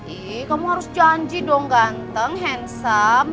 ihh kamu harus janji dong ganteng handsome